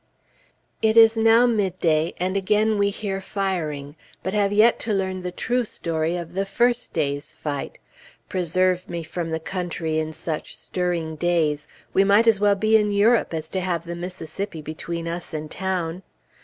It is now midday, and again we hear firing; but have yet to learn the true story of the first day's fight. Preserve me from the country in such stirring days! We might as well be in Europe as to have the Mississippi between us and town.